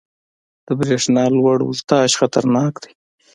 • د برېښنا لوړ ولټاژ خطرناک دی.